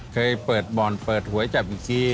เคยเปิดบ่อนเปิดหวยจับอีกที